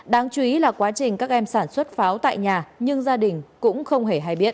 đáng chú ý là quá trình các em sản xuất pháo tại nhà nhưng gia đình cũng không hề hay biết